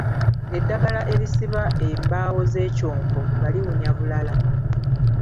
Eddagala erisiba embaawo z'ekyombo nga liwunya bulala.